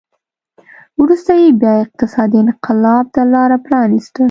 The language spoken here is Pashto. وروسته یې بیا اقتصادي انقلاب ته لار پرانېسته